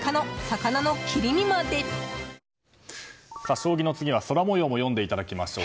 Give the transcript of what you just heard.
将棋の次は空模様も読んでいただきましょう。